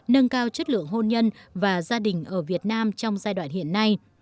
nâng cao chất lượng hôn nhân và gia đình ở việt nam trong giai đoạn hiện nay